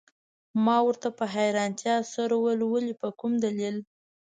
ما ورته په حیرانتیا سره وویل: ولي، په کوم دلیل؟